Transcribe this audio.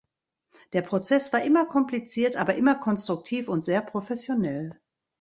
Der Prozess war immer kompliziert, aber immer konstruktiv und sehr professionell.